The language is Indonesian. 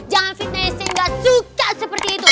jangan fitness saya enggak suka seperti itu